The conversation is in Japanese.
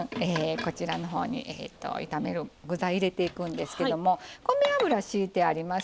こちらのほうに炒める具材入れていくんですけども米油をひいてあります。